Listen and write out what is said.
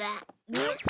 えっ！？